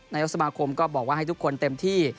นายกสมาคมก็บอกว่าให้ทุกคนเต็มที่